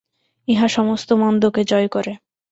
ইহা সমস্ত মন্দকে জয় করে।